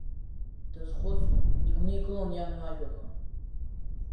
Дазхәыцуан, игәникылон иан лажәақәа.